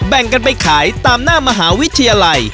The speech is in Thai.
แบ่งกันไปขายตามหน้ามหาวิทยาลัย